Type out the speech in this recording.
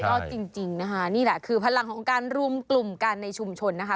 จริงนะคะนี่แหละคือพลังของการรวมกลุ่มกันในชุมชนนะคะ